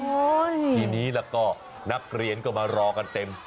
ทีนี้แล้วก็นักเรียนก็มารอกันเต็ม